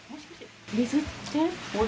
水って？